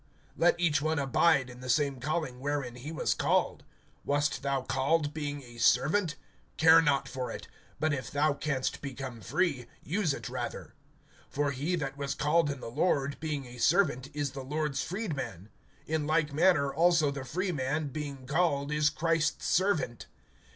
(20)Let each one abide in the same calling wherein he was called. (21)Wast thou called being a servant? Care not for it; but if thou canst become free, use it rather. (22)For he that was called in the Lord, being a servant, is the Lord's freedman; in like manner also the freeman, being called, is Christ's servant.